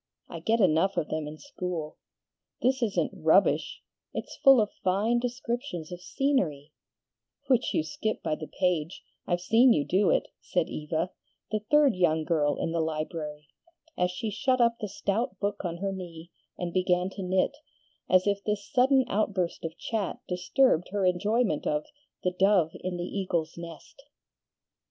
I get enough of them in school. This isn't 'rubbish'! It's full of fine descriptions of scenery " "Which you skip by the page, I've seen you do it," said Eva, the third young girl in the library, as she shut up the stout book on her knee and began to knit as if this sudden outburst of chat disturbed her enjoyment of "The Dove in the Eagle's Nest."